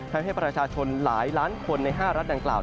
ทำให้ประชาชนหลายล้านคนใน๕รัฐดังกล่าว